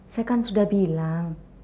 saya kan sudah bilang